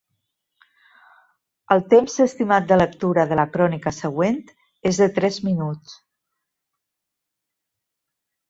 El temps estimat de lectura de la crònica següent és de tres minuts.